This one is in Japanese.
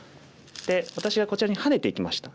で私はこちらにハネていきました。